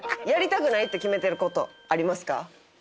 やりたくないって決めてる事ありますか？